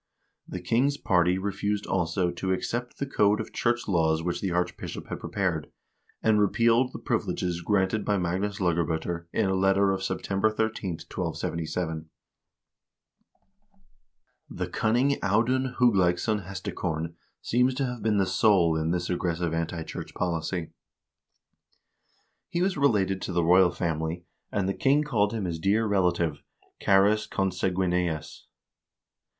The king's party refused, also, to accept the code of church laws which the archbishop had prepared, and repealed the privileges granted by Magnus Laga b0ter in a letter of September 13, 1277. The cunning Audun Hug leiksson Hestakorn seems to have been the soul in this aggressive anti church policy. He was related to the royal family, and the king called him his dear relative (earns consanguineus).